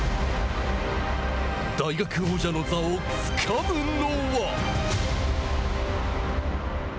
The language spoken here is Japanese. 大学王者の座をつかむのは。